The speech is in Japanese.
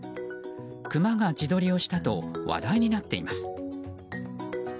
クマが自撮りをしたと話題になっています。